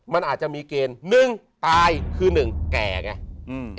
มันอาจจะมีเกณฑ์๑ตายคือ๑แก่ไง